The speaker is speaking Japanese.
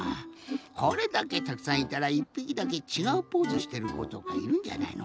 これだけたくさんいたら１ぴきだけちがうポーズしてることかいるんじゃないの？